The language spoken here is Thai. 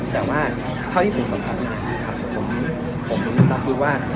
แต่ว่าเท่าที่ผมสำคัญผมคือว่า